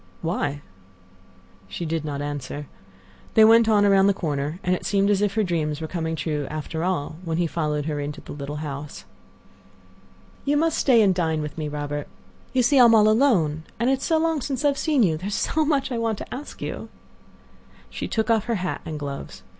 "Why?" She did not answer. They went on around the corner, and it seemed as if her dreams were coming true after all, when he followed her into the little house. "You must stay and dine with me, Robert. You see I am all alone, and it is so long since I have seen you. There is so much I want to ask you." She took off her hat and gloves.